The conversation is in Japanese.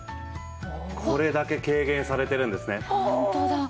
これだけ軽減されてるんですね。